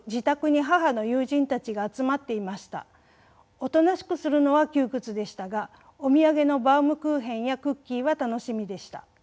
おとなしくするのは窮屈でしたがお土産のバウムクーヘンやクッキーは楽しみでした。